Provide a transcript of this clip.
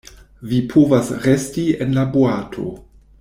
Vi povas resti en la boato.